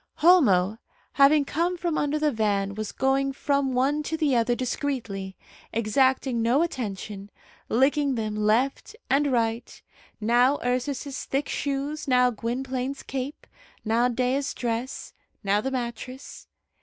Homo, having come from under the van, was going from one to the other discreetly, exacting no attention, licking them left and right now Ursus's thick shoes, now Gwynplaine's cape, now Dea's dress, now the mattress.